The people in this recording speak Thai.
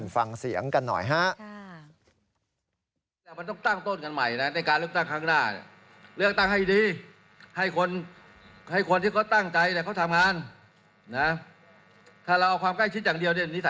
ฟังเสียงกันหน่อยฮะ